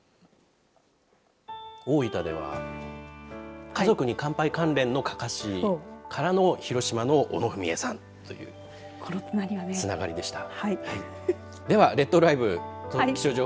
大分では家族に乾杯関連のかかしからの広島の小野文惠というつながりでした。